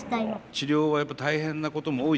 治療はやっぱ大変なことも多いでしょう。